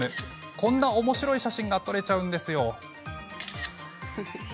こんなおもしろい写真が撮れちゃうんですよ。